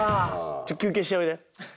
ちょっと休憩しておいで。